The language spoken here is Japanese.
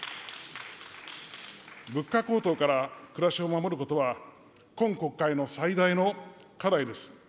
物価高騰から暮らしを守ることは、今国会の最大の課題です。